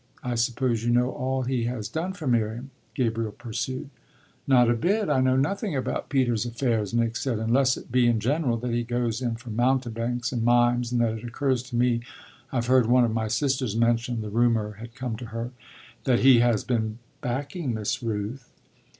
I suppose you know all he has done for Miriam?" Gabriel pursued. "Not a bit, I know nothing about Peter's affairs," Nick said, "unless it be in general that he goes in for mountebanks and mimes and that it occurs to me I've heard one of my sisters mention the rumour had come to her that he has been backing Miss Rooth."